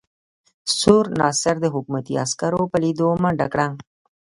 سور ناصر د حکومتي عسکرو په لیدو منډه کړه.